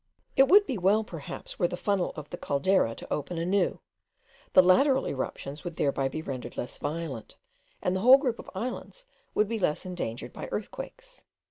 It would be well, perhaps, were the funnel of the Caldera to open anew; the lateral eruptions would thereby be rendered less violent, and the whole group of islands would be less endangered by earthquakes.